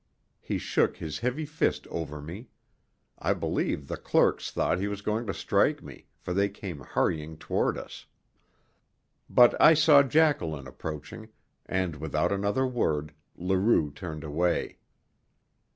He shook his heavy fist over me I believe the clerks thought he was going to strike me, for they came hurrying toward us. But I saw Jacqueline approaching, and, without another word, Leroux turned away.